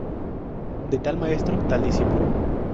De tal maestro, tal discípulo